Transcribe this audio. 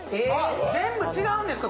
全部違うんですか！